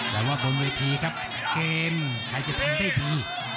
แต่ว่าบนเวทีครับเกมใครจะทำได้ดี